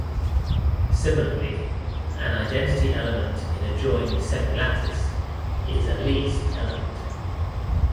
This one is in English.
Similarly, an identity element in a join semilattice is a least element.